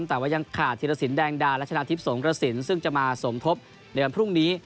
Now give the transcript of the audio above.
แต่ว่ายังขาดเทียรศิลป์แดงดาลและชนะทิพย์สงครสินทร์ซึ่งจะมาสงทบในวันพรุ่งนี้